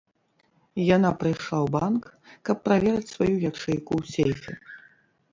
Яна прыйшла ў банк, каб праверыць сваю ячэйку ў сейфе.